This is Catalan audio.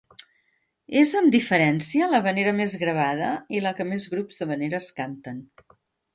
És, amb diferència, l'havanera més gravada i la que més grups d'havaneres canten.